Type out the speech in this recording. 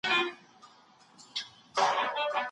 د ذهن په مهارتونو کار وکړئ.